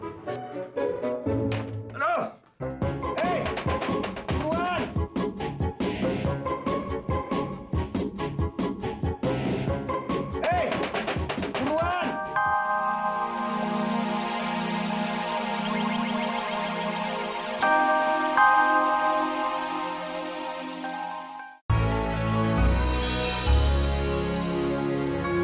aduh hei duluan